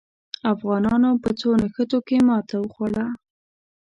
افغانانو په څو نښتو کې ماته وخوړه.